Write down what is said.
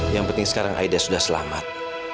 yang penting sekarang aida sudah selamat